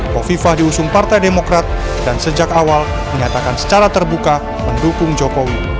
kofifa diusung partai demokrat dan sejak awal menyatakan secara terbuka mendukung jokowi